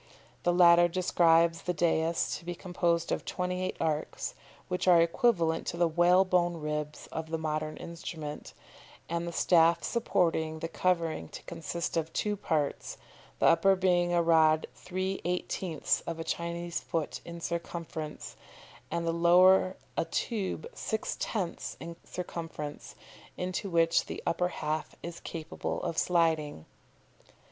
The latter describes the dais to be composed of 28 arcs, which are equivalent to the whalebone ribs of the modern instrument, and the staff supporting the covering to consist of two parts, the upper being a rod 3/18ths of a Chinese foot in circumference, and the lower a tube 6/10ths in circumference, into which the upper half is capable of sliding."